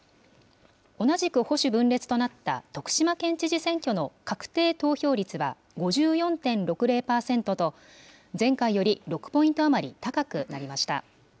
同じく保守分裂となった、徳島県知事選挙の確定投票率は５４．６０％と、前回より６ポイント余り高くなりました。